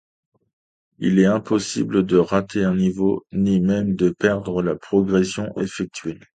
Il est impossible de rater un niveau, ni même de perdre la progression effectuée.